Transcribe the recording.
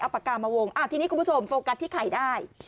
เอาปากกามาวงทีนี้คุณผู้ชมโฟกัสที่ไข่ได้